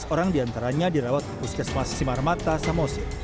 sebelas orang diantaranya dirawat di puskesmas simarmata samosi